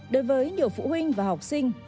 đối với nhiều phụ huynh và học sinh